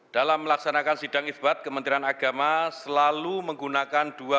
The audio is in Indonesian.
dalam melaksanakan sidang sebat kementerian agama selalu menggunakan bidang